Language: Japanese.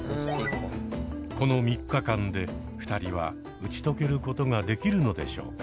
この３日間で２人は打ち解けることができるのでしょうか。